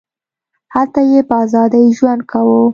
هلته یې په ازادۍ ژوند کاوه.